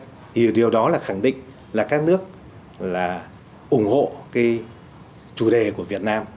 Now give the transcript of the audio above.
thì điều đó là khẳng định là các nước là ủng hộ cái chủ đề của việt nam